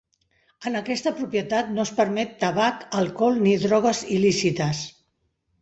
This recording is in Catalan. En aquesta propietat no es permet tabac, alcohol ni drogues il·lícites.